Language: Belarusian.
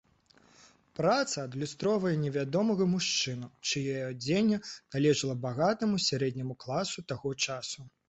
Праца адлюстроўвае невядомага мужчыну, чыё адзенне належала багатаму сярэдняму класу таго часу.